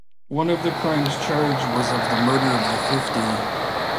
One of the crimes charged was of the murder of the fifty.